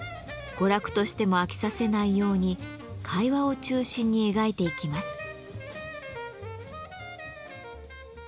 娯楽としても飽きさせないように会話を中心に描いていきます。